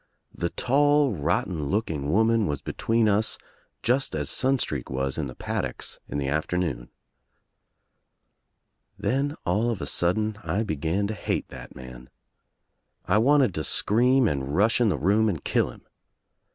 The tall rotten looking woman was between us just as Sunstreak was in the paddocks in the afternoon. Then, all of a sudden, I began to hate that man. I wanted to scream and rush in the room and kill him.